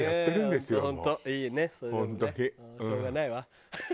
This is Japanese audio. しょうがない。